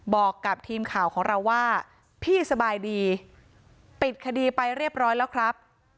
บอกกับทีมข่าวของเราว่าพี่สบายดีปิดคดีไปเรียบร้อยแล้วครับ